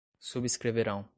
Subscreverão